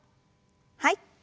はい。